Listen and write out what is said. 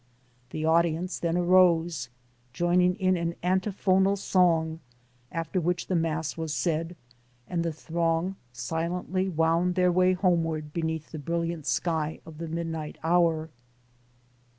The audience then arose, joining in an antiphonal song, after which the mass was said, and the throng silently wound their way homeward be neath the brilliant sky of the midnight hour.